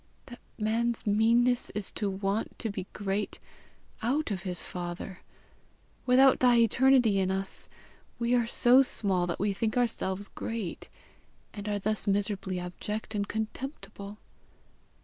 that man's meanness is to want to be great out of his Father! Without thy eternity in us we are so small that we think ourselves great, and are thus miserably abject and contemptible.